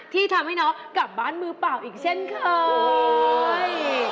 ที่ทำให้น้องกลับบ้านมือเปล่าอีกเช่นเคย